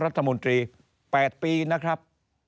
รัฐมนตรี๘ปีนะครับ